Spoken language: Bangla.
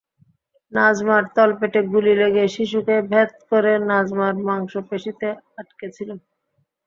নাজমার তলপেটে গুলি লেগে শিশুকে ভেদ করে নাজমার মাংসপেশিতে আটকে ছিল।